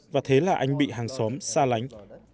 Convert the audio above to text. và thế là anh bị hàng xóm xa lánh